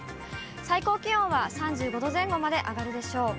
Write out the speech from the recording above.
最高気温は３５度前後まで上がるでしょう。